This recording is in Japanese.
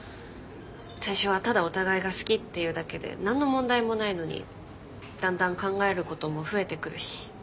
最初はただお互いが好きっていうだけで何の問題もないのにだんだん考えることも増えてくるし。